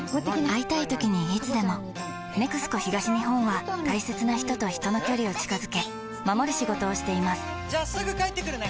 会いたいときにいつでも「ＮＥＸＣＯ東日本」は大切な人と人の距離を近づけ守る仕事をしていますじゃあすぐ帰ってくるね！